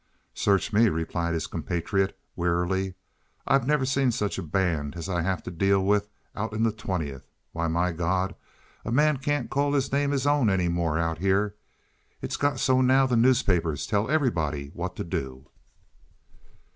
"Search me!" replied his compatriot, wearily. "I never seen such a band as I have to deal with out in the Twentieth. Why, my God! a man can't call his name his own any more out here. It's got so now the newspapers tell everybody what to do."